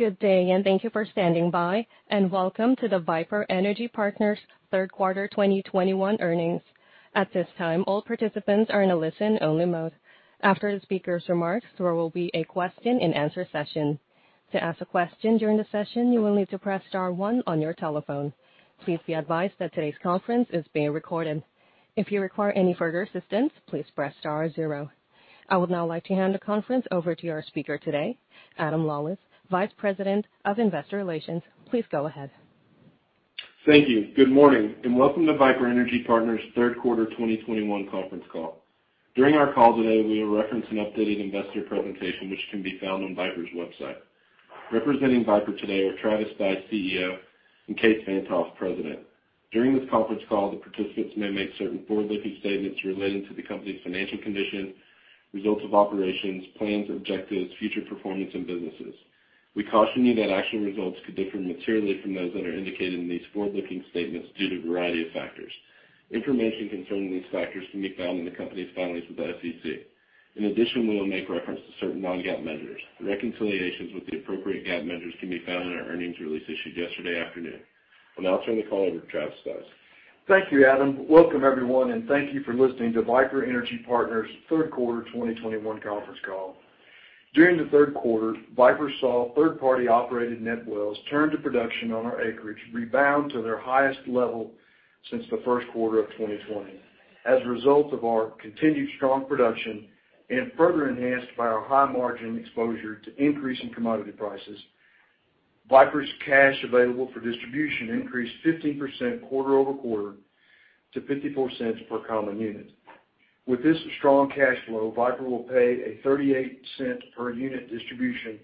Good day, and thank you for standing by, and welcome to the Viper Energy Partners third quarter 2021 earnings. At this time, all participants are in a listen-only mode. After the speaker's remarks, there will be a question-and-answer session. To ask a question during the session, you will need to press star one on your telephone. Please be advised that today's conference is being recorded. If you require any further assistance, please press star zero. I would now like to hand the conference over to our speaker today, Adam Lawlis, Vice President of Investor Relations. Please go ahead. Thank you. Good morning, and welcome to Viper Energy Partners third quarter 2021 conference call. During our call today, we will reference an updated investor presentation, which can be found on Viper's website. Representing Viper today are Travis Stice, CEO, and Kaes Van't Hof, President. During this conference call, the participants may make certain forward-looking statements relating to the company's financial condition, results of operations, plans, objectives, future performance, and businesses. We caution you that actual results could differ materially from those that are indicated in these forward-looking statements due to a variety of factors. Information concerning these factors can be found in the company's filings with the SEC. In addition, we will make reference to certain non-GAAP measures. The reconciliations with the appropriate GAAP measures can be found in our earnings release issued yesterday afternoon. I'll now turn the call over to Travis Stice. Thank you, Adam. Welcome, everyone, and thank you for listening to Viper Energy Partners third quarter 2021 conference call. During the third quarter, Viper saw third-party operated net wells turn to production on our acreage rebound to their highest level since the first quarter of 2020. As a result of our continued strong production and further enhanced by our high margin exposure to increase in commodity prices, Viper's cash available for distribution increased 15% quarter-over-quarter to $0.54 per common unit. With this strong cash flow, Viper will pay a $0.38 per unit distribution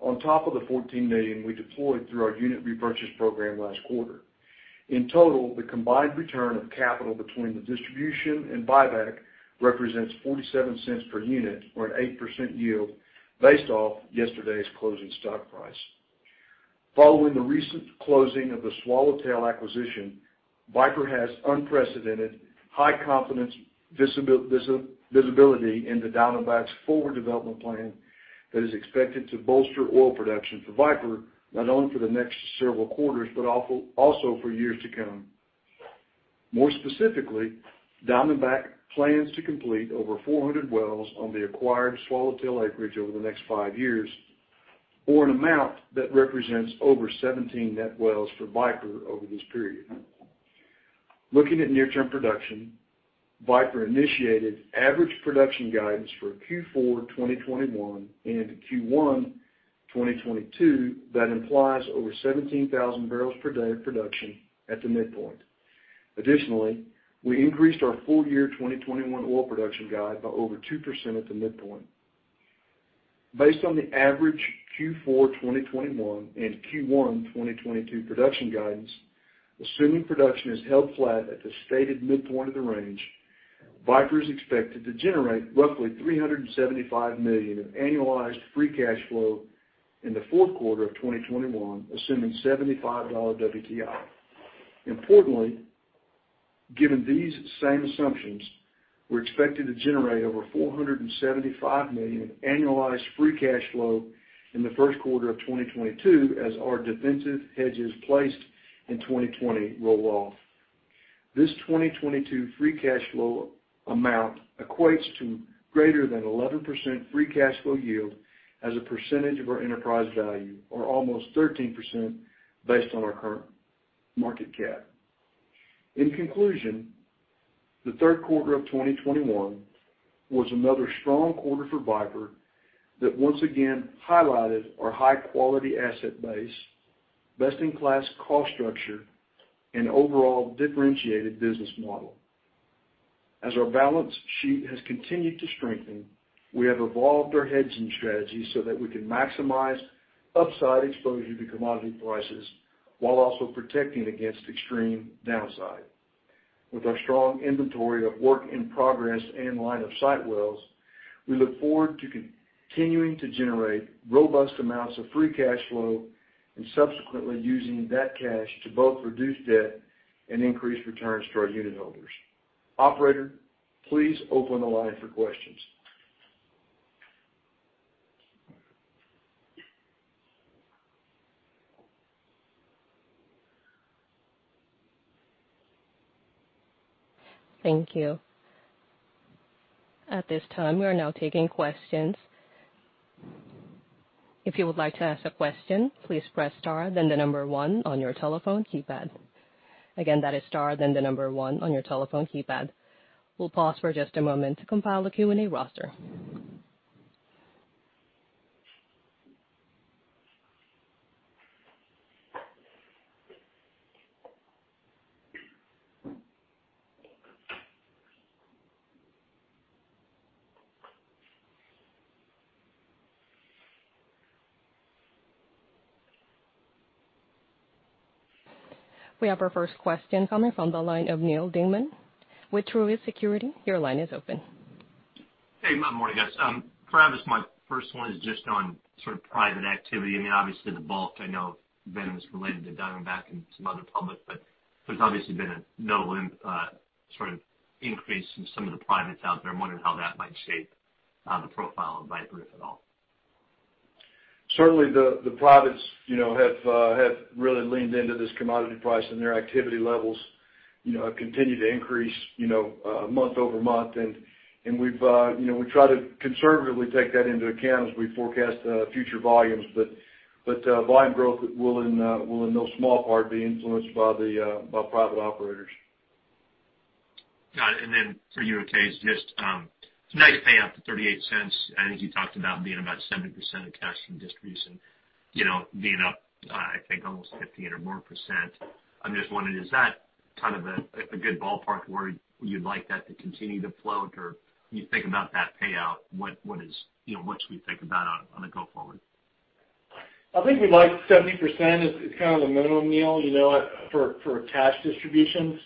on top of the $14 million we deployed through our unit repurchase program last quarter. In total, the combined return of capital between the distribution and buyback represents $0.47 per unit or an 8% yield based off yesterday's closing stock price. Following the recent closing of the Swallowtail acquisition, Viper has unprecedented high confidence visibility into Diamondback's forward development plan that is expected to bolster oil production for Viper, not only for the next several quarters, but also for years to come. More specifically, Diamondback plans to complete over 400 wells on the acquired Swallowtail acreage over the next five years, or an amount that represents over 17 net wells for Viper over this period. Looking at near-term production, Viper initiated average production guidance for Q4 2021 and Q1 2022 that implies over 17,000 barrels per day of production at the midpoint. Additionally, we increased our full year 2021 oil production guide by over 2% at the midpoint. Based on the average Q4 2021 and Q1 2022 production guidance, assuming production is held flat at the stated midpoint of the range, Viper is expected to generate roughly $375 million of annualized free cash flow in the fourth quarter of 2021, assuming $75 WTI. Importantly, given these same assumptions, we're expected to generate over $475 million in annualized free cash flow in the first quarter of 2022 as our defensive hedges placed in 2020 roll off. This 2022 free cash flow amount equates to greater than 11% free cash flow yield as a percentage of our enterprise value or almost 13% based on our current market cap. In conclusion, the third quarter of 2021 was another strong quarter for Viper that once again highlighted our high-quality asset base, best-in-class cost structure, and overall differentiated business model. As our balance sheet has continued to strengthen, we have evolved our hedging strategy so that we can maximize upside exposure to commodity prices while also protecting against extreme downside. With our strong inventory of work in progress and line of sight wells, we look forward to continuing to generate robust amounts of free cash flow and subsequently using that cash to both reduce debt and increase returns to our unit holders. Operator, please open the line for questions. Thank you. At this time, we are now taking questions. If you would like to ask a question, please press star then the number one on your telephone keypad. Again, that is star then the number one on your telephone keypad. We'll pause for just a moment to compile the Q&A roster. We have our first question coming from the line of Neal Dingmann with Truist Securities. Your line is open. Hey, good morning, guys. Travis, my first one is just on sort of private activity. I mean, obviously, the bulk I know of VNOM is related to Diamondback and some other public, but there's obviously been a notable, sort of increase in some of the privates out there. I'm wondering how that might shape, the profile of Viper, if at all. Certainly the privates, you know, have really leaned into this commodity price and their activity levels, you know, continue to increase, you know, month-over-month. We try to conservatively take that into account as we forecast future volumes. Volume growth will in no small part be influenced by private operators. Got it. For you, Kaes just now you pay up to $0.38. I think you talked about being about 70% of cash distributions, you know, being up, I think almost 15% or more. I'm just wondering, is that kind of a good ballpark where you'd like that to continue to float or you think about that payout, what is, you know, what should we think about on a go forward? I think we'd like 70% is kind of the minimum, Neal, you know, for cash distributions.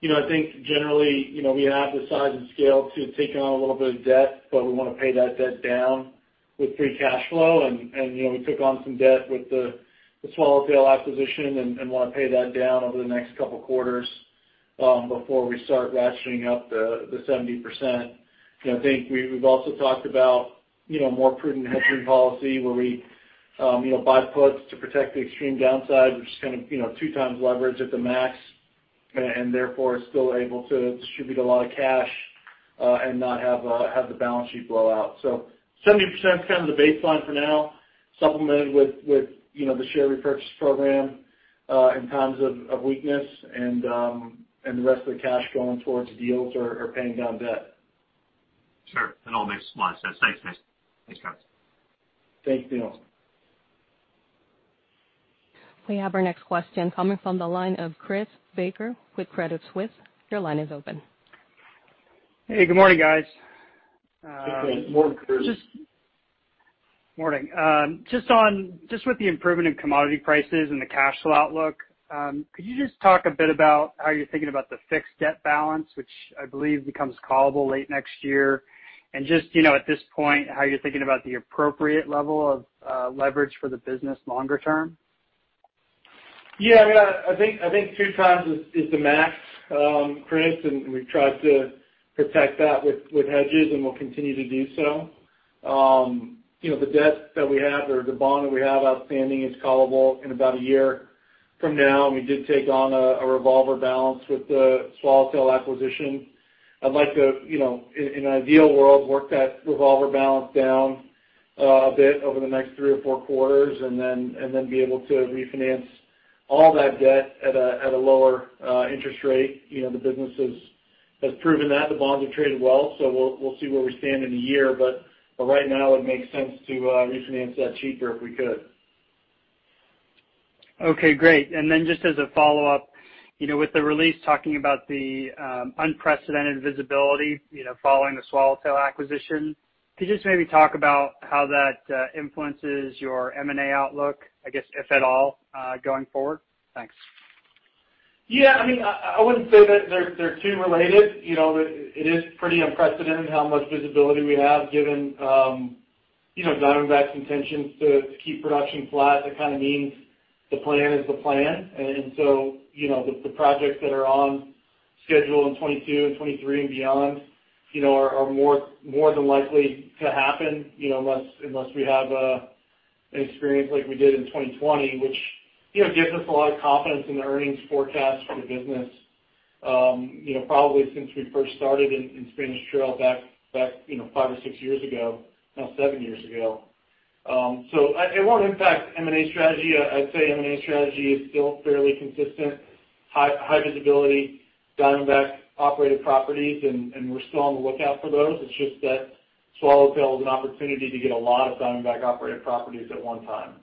You know, I think generally, you know, we have the size and scale to take on a little bit of debt, but we wanna pay that debt down with free cash flow. You know, we took on some debt with the Swallowtail acquisition and wanna pay that down over the next couple quarters, before we start ratcheting up the 70%. You know, I think we've also talked about, you know, more prudent hedging policy where we, you know, buy puts to protect the extreme downside. We're just kind of, you know, 2x leverage at the max, and therefore still able to distribute a lot of cash, and not have the balance sheet blow out. 70% is kind of the baseline for now, supplemented with you know, the share repurchase program in times of weakness and the rest of the cash going towards deals or paying down debt. Sure. It all makes a lot of sense. Thanks, guys. Thanks, Neal. We have our next question coming from the line of Chris Baker with Credit Suisse. Your line is open. Hey, good morning, guys. Good morning, Chris. Morning. Just with the improvement in commodity prices and the cash flow outlook, could you just talk a bit about how you're thinking about the fixed debt balance, which I believe becomes callable late next year? Just, you know, at this point, how you're thinking about the appropriate level of leverage for the business longer term? Yeah. I mean, I think 2x is the max, Chris, and we've tried to protect that with hedges, and we'll continue to do so. You know, the debt that we have or the bond that we have outstanding is callable in about a year from now. We did take on a revolver balance with the Swallowtail acquisition. I'd like to, you know, in an ideal world, work that revolver balance down a bit over the next three or four quarters, and then be able to refinance all that debt at a lower interest rate. You know, the business has proven that. The bonds have traded well, so we'll see where we stand in a year. Right now it makes sense to refinance that cheaper if we could. Okay, great. Just as a follow-up, you know, with the release talking about the unprecedented visibility, you know, following the Swallowtail acquisition, could you just maybe talk about how that influences your M&A outlook, I guess, if at all, going forward? Thanks. Yeah. I mean, I wouldn't say that they're too related. You know, it is pretty unprecedented how much visibility we have given, you know, Diamondback's intentions to keep production flat. That kind of means the plan is the plan. You know, the projects that are on schedule in 2022 and 2023 and beyond, you know, are more than likely to happen, you know, unless we have an experience like we did in 2020, which, you know, gives us a lot of confidence in the earnings forecast for the business. You know, probably since we first started in Spanish Trail back, you know, five or six years ago, now seven years ago. It won't impact M&A strategy. I'd say M&A strategy is still fairly consistent. High visibility Diamondback operated properties and we're still on the lookout for those. It's just that Swallowtail is an opportunity to get a lot of Diamondback operated properties at one time.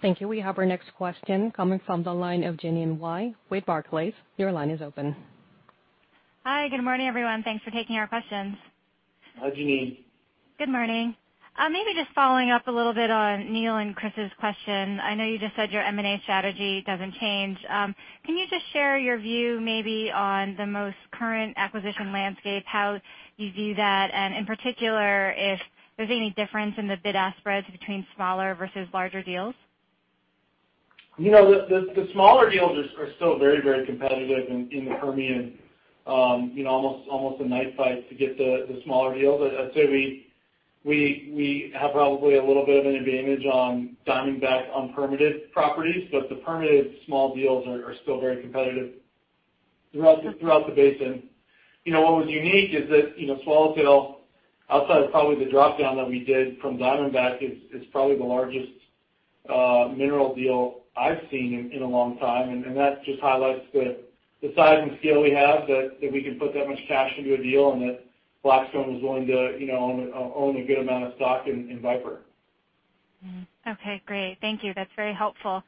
Thank you. We have our next question coming from the line of Jeanine Wai with Barclays. Your line is open. Hi. Good morning, everyone. Thanks for taking our questions. Hi, Jeanine Good morning. Maybe just following up a little bit on Neal and Chris' question. I know you just said your M&A strategy doesn't change. Can you just share your view maybe on the most current acquisition landscape, how you view that? In particular if there's any difference in the bid-ask spreads between smaller versus larger deals? You know, the smaller deals are still very competitive in the Permian. You know, almost a knife fight to get the smaller deals. I'd say we have probably a little bit of an advantage on Diamondback on permitted properties, but the permitted small deals are still very competitive throughout the basin. You know, what was unique is that, you know, Swallowtail, outside of probably the drop-down that we did from Diamondback, is probably the largest mineral deal I've seen in a long time. That just highlights the size and scale we have that we can put that much cash into a deal and that Blackstone was willing to, you know, own a good amount of stock in Viper. Okay, great, thank you. That's very helpful.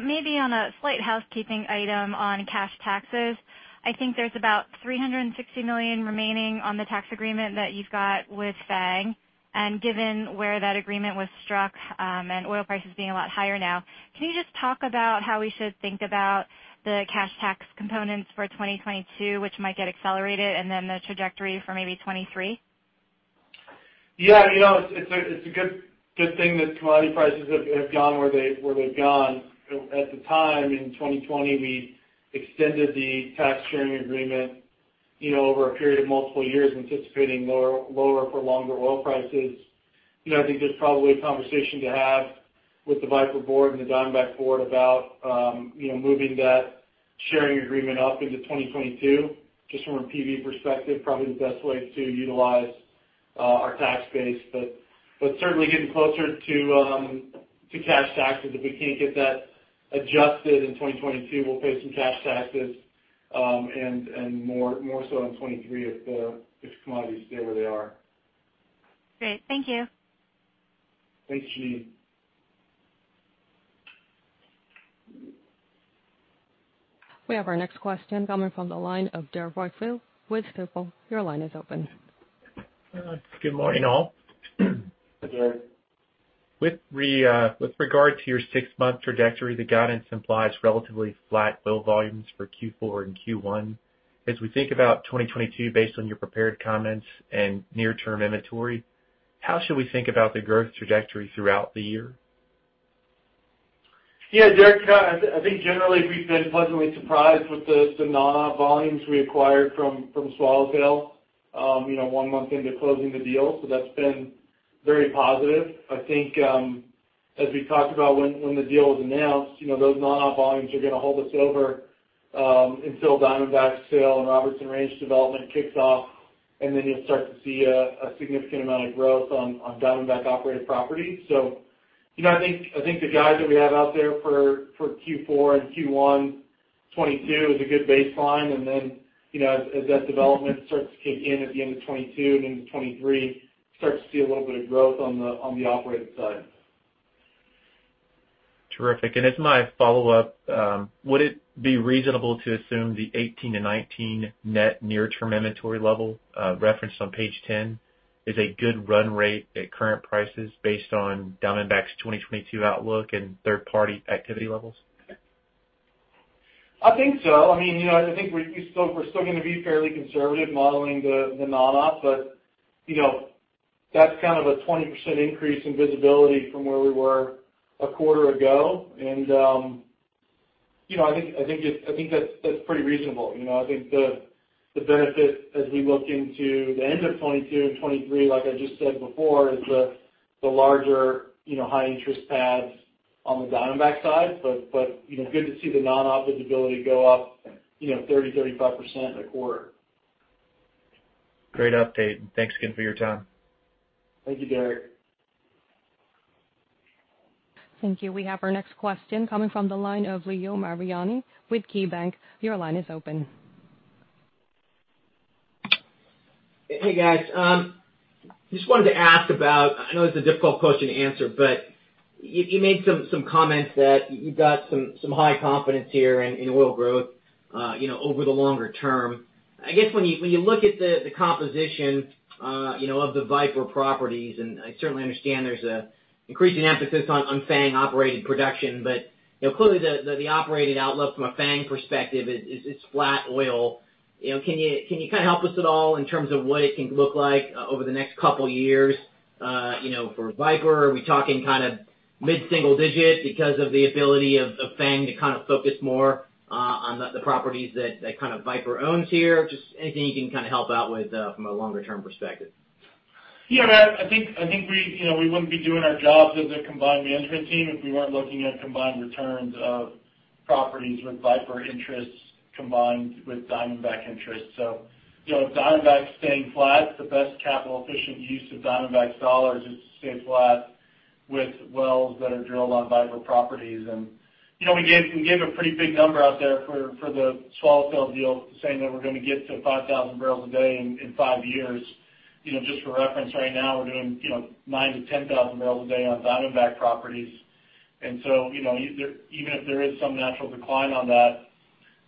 Maybe on a slight housekeeping item on cash taxes, I think there's about $360 million remaining on the tax agreement that you've got with FANG. Given where that agreement was struck, and oil prices being a lot higher now, can you just talk about how we should think about the cash tax components for 2022, which might get accelerated and then the trajectory for maybe 2023? Yeah, you know, it's a good thing that commodity prices have gone where they've gone. At the time, in 2020, we extended the tax sharing agreement, you know, over a period of multiple years, anticipating lower for longer oil prices. You know, I think there's probably a conversation to have with the Viper board and the Diamondback board about, you know, moving that sharing agreement up into 2022, just from a PV perspective, probably the best way to utilize our tax base. But certainly getting closer to cash taxes. If we can't get that adjusted in 2022, we'll pay some cash taxes, and more so in 2023 if commodities stay where they are. Great. Thank you. Thanks, Jeanine. We have our next question coming from the line of Derrick Whitfield with Stifel. Your line is open. Good morning, all. With regard to your six-month trajectory, the guidance implies relatively flat drill volumes for Q4 and Q1. As we think about 2022 based on your prepared comments and near-term inventory, how should we think about the growth trajectory throughout the year? Yeah, Derrick, I think generally we've been pleasantly surprised with the non-op volumes we acquired from Swallowtail, you know, one month into closing the deal, so that's been very positive. I think, as we talked about when the deal was announced, you know, those non-op volumes are gonna hold us over until Diamondback's sale and Robertson Ranch development kicks off, and then you'll start to see a significant amount of growth on Diamondback-operated properties. You know, I think the guide that we have out there for Q4 and Q1 2022 is a good baseline. You know, as that development starts to kick in at the end of 2022 and into 2023, start to see a little bit of growth on the operated side. Terrific. As my follow-up, would it be reasonable to assume the 18 and 19 net near-term inventory level, referenced on page 10, is a good run rate at current prices based on Diamondback's 2022 outlook and third-party activity levels? I think so. I mean, you know, I think we're still gonna be fairly conservative modeling the non-op, but, you know, that's kind of a 20% increase in visibility from where we were a quarter ago. You know, I think that's pretty reasonable. You know, I think the benefit as we look into the end of 2022 and 2023, like I just said before, is the larger, you know, high interest pads on the Diamondback side. But, you know, good to see the non-op visibility go up, you know, 30%-35% in a quarter. Great update. Thanks again for your time. Thank you, Derrick. Thank you. We have our next question coming from the line of Leo Mariani with KeyBanc. Your line is open. Hey, guys. Just wanted to ask about. I know it's a difficult question to answer, but you made some comments that you've got some high confidence here in oil growth, you know, over the longer term. I guess when you look at the composition, you know, of the Viper properties, and I certainly understand there's an increasing emphasis on FANG-operated production. You know, clearly the operated outlook from a FANG perspective is it's flat oil. You know, can you kind of help us at all in terms of what it can look like over the next couple years, you know, for Viper? Are we talking kind of mid-single digit because of the ability of FANG to kind of focus more, uh, on the properties that Viper owns here? Just anything you can kind of help out with, from a longer term perspective. Yeah, I think we, you know, we wouldn't be doing our jobs as a combined management team if we weren't looking at combined returns of properties with Viper interests combined with Diamondback interests. You know, if Diamondback's staying flat, the best capital efficient use of Diamondback's dollars is to stay flat with wells that are drilled on Viper properties. You know, we gave a pretty big number out there for the Swallowtail deal, saying that we're gonna get to 5,000 barrels a day in five years. You know, just for reference, right now we're doing, you know, 9,000-10,000 barrels a day on Diamondback properties. You know, even if there is some natural decline on that,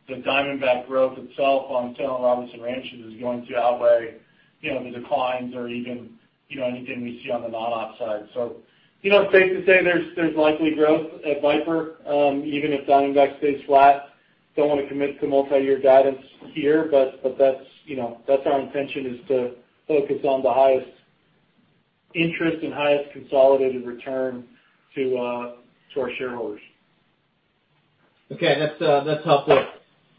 the Diamondback growth itself on Swallowtail and Robertson Ranch is going to outweigh, you know, the declines or even, you know, anything we see on the non-op side. You know, it's safe to say there's likely growth at Viper, even if Diamondback stays flat. Don't wanna commit to multi-year guidance here, but that's, you know, that's our intention, is to focus on the highest interest and highest consolidated return to our shareholders. Okay. That's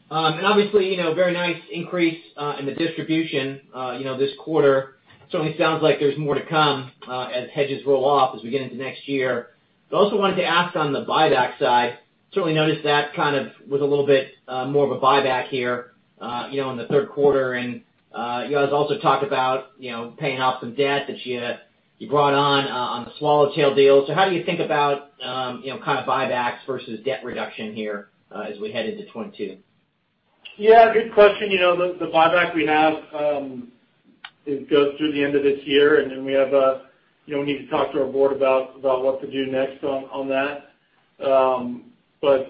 helpful. Obviously, you know, very nice increase in the distribution, you know, this quarter. Certainly sounds like there's more to come as hedges roll off as we get into next year. Also wanted to ask on the buyback side, certainly noticed that kind of was a little bit more of a buyback here, you know, in the third quarter. You guys also talked about, you know, paying off some debt that you brought on on the Swallowtail deal. How do you think about, you know, kind of buybacks versus debt reduction here as we head into 2022? Yeah, good question. You know, the buyback we have, it goes through the end of this year, and then we have, you know, we need to talk to our board about what to do next on that.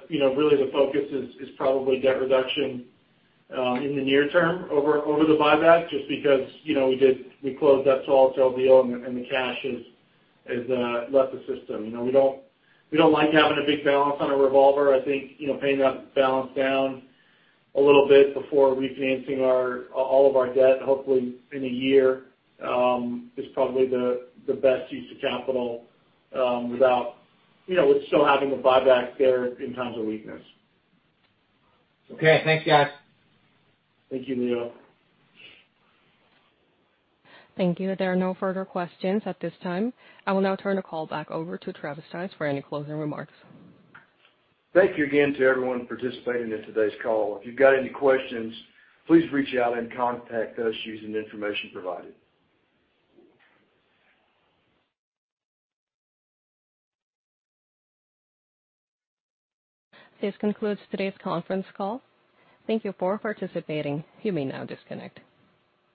You know, really the focus is probably debt reduction in the near term over the buyback, just because, you know, we closed that Swallowtail deal and the cash has left the system. You know, we don't like having a big balance on a revolver. I think, you know, paying that balance down a little bit before refinancing all of our debt, hopefully in a year, is probably the best use of capital, without, you know, with still having a buyback there in times of weakness. Okay. Thanks, guys. Thank you, Leo. Thank you. There are no further questions at this time. I will now turn the call back over to Travis Stice for any closing remarks. Thank you again to everyone participating in today's call. If you've got any questions, please reach out and contact us using the information provided. This concludes today's conference call. Thank you for participating. You may now disconnect.